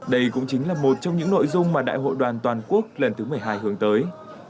đây cũng chính là một trong những nội dung mà đại hội đoàn toàn quốc lần thứ một mươi hai hướng tới